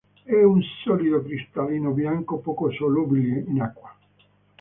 È un solido cristallino bianco poco solubile in acqua.